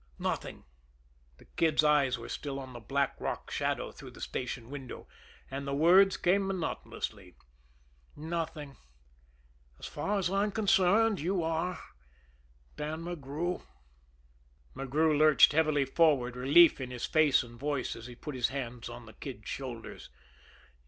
"Nothing!" The Kid's eyes were still on the black, rock shadow through the station window, and the words came monotonously. "Nothing! As far as I am concerned, you are Dan McGrew." McGrew lurched heavily forward, relief in his face and voice as he put his hands on the Kid's shoulders.